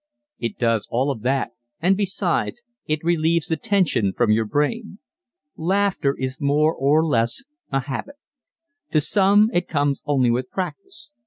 It does all of that, and besides, it relieves the tension from your brain. Laughter is more or less a habit. To some it comes only with practice.